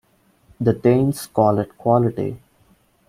"The Danes call it quality".